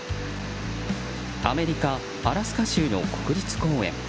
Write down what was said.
アメリカ・アラスカ州の国立公園。